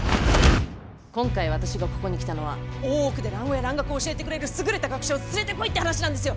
今回私がここに来たのは大奥で蘭語や蘭学を教えてくれる優れた学者を連れてこいって話なんですよ！